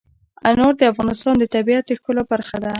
انار د افغانستان د طبیعت د ښکلا برخه ده.